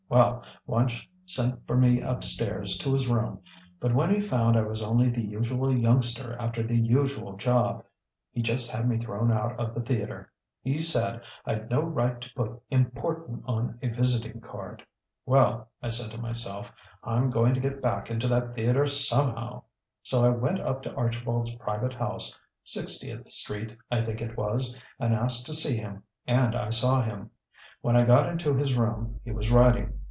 Well, Wunch sent for me up stairs to his room, but when he found I was only the usual youngster after the usual job he just had me thrown out of the theatre. He said I'd no right to put 'Important' on a visiting card. 'Well,' I said to myself, 'I'm going to get back into that theatre somehow!' So I went up to Archibald's private house Sixtieth Street I think it was, and asked to see him, and I saw him. When I got into his room, he was writing.